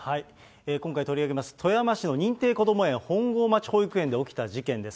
今回取り上げます、富山市の認定こども園本郷町保育園で起きた事件です。